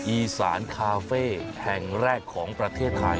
อีสานคาเฟ่แห่งแรกของประเทศไทย